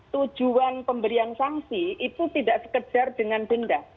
tujuan pemberian sanksi itu tidak sekedar dengan denda